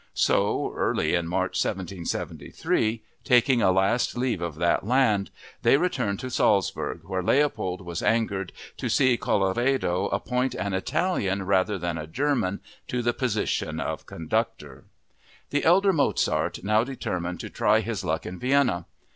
So early in March 1773, taking a last leave of that land, they returned to Salzburg, where Leopold was angered to see Colloredo appoint an Italian rather than a German to the position of conductor. The elder Mozart now determined to try his luck in Vienna.